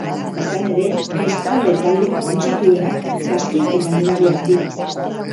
Izan ere, biztanle talde kutsatuenak gazteak eta nerabeak dira.